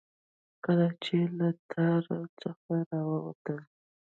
کله چې له تالار څخه راووتم.